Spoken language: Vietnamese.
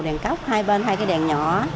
đèn cốc hai bên hai cái đèn nhỏ